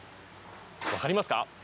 分かりますか？